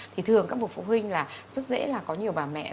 thì thường các bậc phụ huynh là rất dễ là có nhiều bà mẹ